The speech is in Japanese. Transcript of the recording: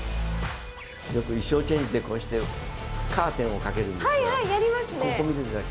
よく衣装チェンジでこうしてカーテンをかけるんですがここ見てください。